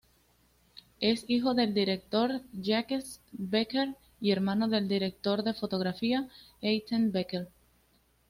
Es hijo del director Jacques Becker y hermano del director de fotografía Étienne Becker.